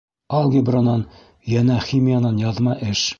- Алгебранан, йәнә химиянан яҙма эш.